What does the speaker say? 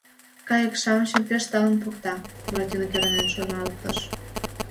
«Кайык-шамычым пеш талын покта», – Буратино кӧранен шоналтыш.